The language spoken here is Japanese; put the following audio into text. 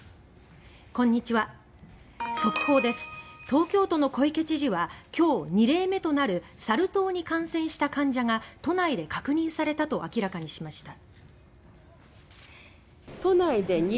東京都の小池知事は２例目となるサル痘に感染した患者が都内で確認されたと明らかにしました。